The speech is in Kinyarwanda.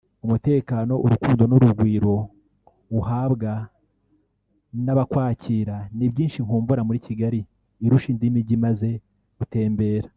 umutekano urukundo n’urugwiro uhabwa n’abakwakira ni byinshi nkumbura muri Kigali irusha indi mijyi maze gutembera”